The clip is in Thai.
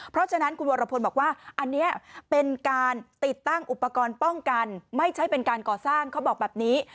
เพราะฉะนั้นคุณวรพลบอกว่าอันนี้เป็นการติดตั้งอุปกรณ์ป้องกันไม่ใช่เป็นการก่อสร้างเขาบอกแบบนี้